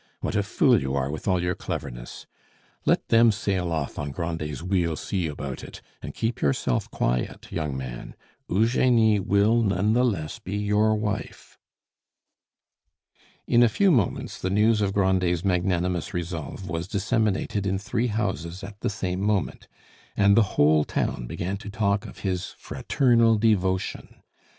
What a fool you are, with all your cleverness! Let them sail off on Grandet's 'We'll see about it,' and keep yourself quiet, young man. Eugenie will none the less be your wife." In a few moments the news of Grandet's magnanimous resolve was disseminated in three houses at the same moment, and the whole town began to talk of his fraternal devotion.